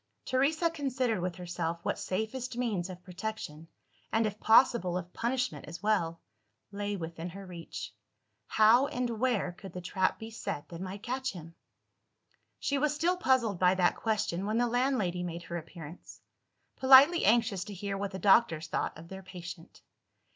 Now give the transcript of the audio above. Teresa considered with herself what safest means of protection and, if possible, of punishment as well lay within her reach. How, and where, could the trap be set that might catch him? She was still puzzled by that question, when the landlady made her appearance politely anxious to hear what the doctors thought of their patient.